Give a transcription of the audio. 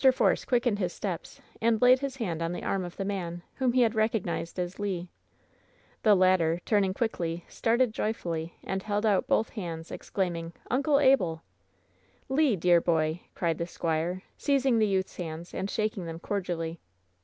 Force quickened his steps and laid his hand on the arm of the man, whom he had recognized as Le. The latter turned quickly, started joyfully, and held out both hands, exclaiming: "Uncle Abel!" WHEN SHADOWS DIE 99 ^^Le, dear boy !" cried the squire, seizing the youth's hands and shaking them cordially.